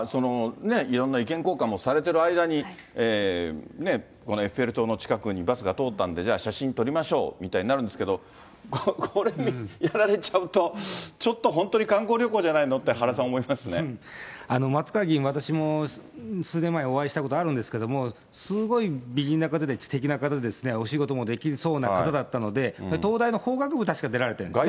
いろんな意見交換もされてる間に、このエッフェル塔の近くにバスが通ったんで、じゃあ、写真撮りましょうみたいになるんですけれども、これやられちゃうと、ちょっと本当に観光旅行じゃないのって原さん、松川議員、私も数年前お会いしたことあるんですけれども、すごい美人な方で知的な方ですね、お仕事もできそうな方だったので、東大の法学部確か出られてるんですね。